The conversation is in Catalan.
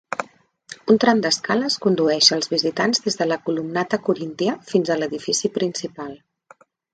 Un tram d'escales condueix els visitants des de la columnata coríntia fins a l'edifici principal.